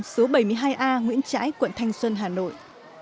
số bảy mươi hai a nguyễn trãi quận thanh xuân hà nội